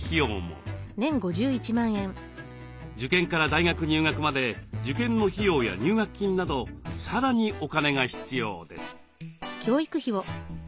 受験から大学入学まで受験の費用や入学金などさらにお金が必要です。